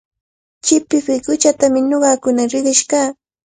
Chipipiq quchatami ñuqakuna riqish kaa.